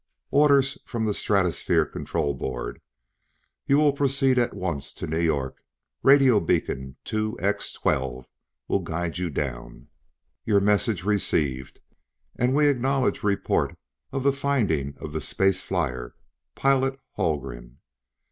"Orders from the Stratosphere Control Board: You will proceed at once to New York. Radiobeacon 2X12 will guide you down. Your message received and we acknowledge report of the finding of the space flyer, Pilot Haldgren.